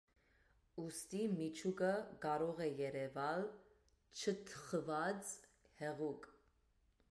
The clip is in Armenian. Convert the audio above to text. Ուստի միջուկը կարող է երևալ չթխված, հեղուկ։